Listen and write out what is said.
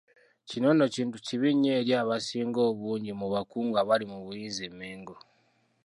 Kino nno, kintu kibi nnyo eri abasinga obungi mu bakungu abali mu buyinza e Mengo.